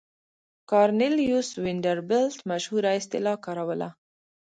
کارنلیوس وینډربیلټ مشهوره اصطلاح کاروله.